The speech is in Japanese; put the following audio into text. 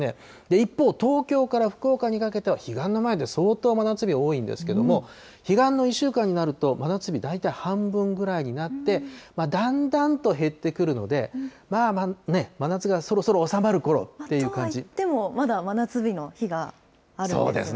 一方、東京から福岡にかけては彼岸の前は相当真夏日多いんですけれども、彼岸の１週間になると、真夏日大体半分ぐらいになって、だんだんと減ってくるので、まあ真夏がそろそろ収まるころという感じ。とはいってもまだ真夏日の日があるんですね。